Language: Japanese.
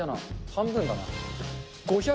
半分だな。